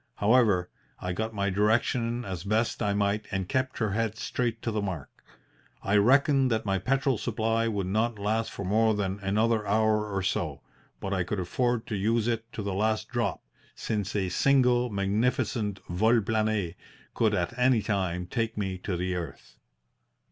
However, I got my direction as best I might and kept her head straight to the mark. I reckoned that my petrol supply would not last for more than another hour or so, but I could afford to use it to the last drop, since a single magnificent vol plane could at any time take me to the earth.